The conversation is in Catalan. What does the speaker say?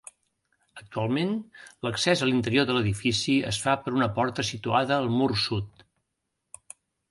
Actualment, l'accés a l'interior de l'edifici es fa per una porta situada al mur sud.